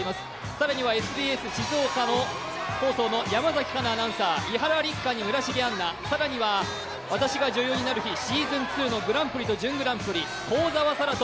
更にはＳＢＳ静岡放送の山崎加奈アナウンサー、伊原六花に村重杏奈、更には『私が女優になる日＿』ｓｅａｓｏｎ２のグランプリと準グランプリ。